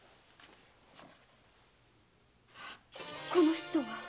この人は！